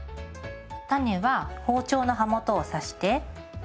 種は包丁の刃元を刺して。